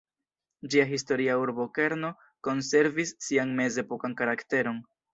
Ĝia historia urbokerno konservis sian mezepokan karakteron.